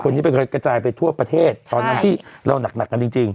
นี้ไปกระจายไปทั่วประเทศตอนนั้นที่เราหนักกันจริง